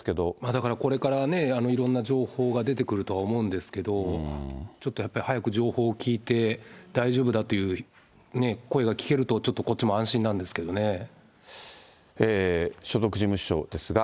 だからこれからね、いろんな情報が出てくるとは思うんですけれども、ちょっとやっぱり、早く情報を聞いて、大丈夫だという声が聞けると、ちょっとこっちも安心なんですけど所属事務所ですが。